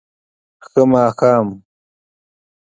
ښه ماښام